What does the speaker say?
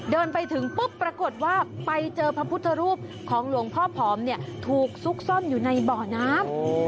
เดินไปถึงปุ๊บปรากฏว่าไปเจอพระพุทธรูปของหลวงพ่อผอมเนี่ยถูกซุกซ่อนอยู่ในบ่อน้ำ